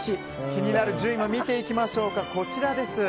気になる順位を見ていきましょう。